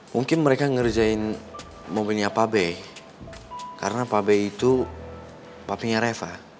mungkin mereka ngerjain mobilnya pak b karena pak b itu papinya reva